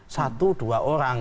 satu dua orang